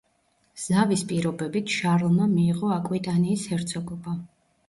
ზავის პირობებით, შარლმა მიიღო აკვიტანიის ჰერცოგობა.